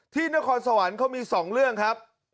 ที่นครสวรรค์เค้ามีสองเรื่องครับ